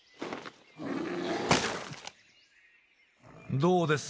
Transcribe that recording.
どうです？